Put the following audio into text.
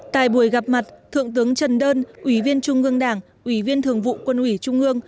tại buổi gặp mặt thượng tướng trần đơn ủy viên trung ương đảng ủy viên thường vụ quân ủy trung ương